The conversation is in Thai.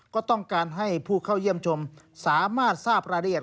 ก็ต้องการให้ผู้เข้าเยี่ยมชมสามารถทราบรายละเอียด